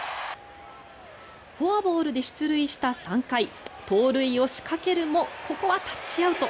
フォアボールで出塁した３回盗塁を仕掛けるもここはタッチアウト。